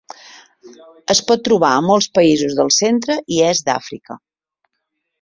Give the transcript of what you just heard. Es pot trobar a molts països del centre i est d'Àfrica.